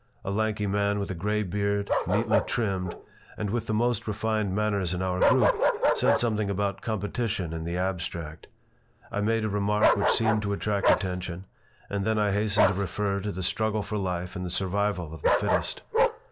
A lanky man with a gray beard, neatly trimmed, and with the most refined manners in our group, said something about competition in the abstract. I made a remark which seemed to attract attention and then I hastened to refer to the struggle for life and the survival of the fittest.